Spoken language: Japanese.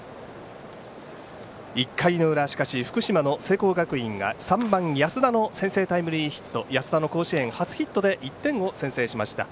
１回の裏福島の聖光学院が３番、安田の先制タイムリーヒット安田の甲子園初ヒットで１点を先制しました。